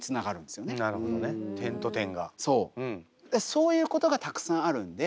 そういうことがたくさんあるんで